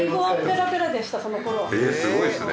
えすごいですね！